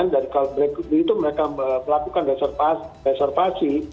dari kalau begitu mereka melakukan reservasi